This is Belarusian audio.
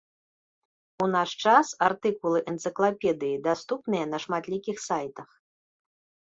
У наш час артыкулы энцыклапедыі даступныя на шматлікіх сайтах.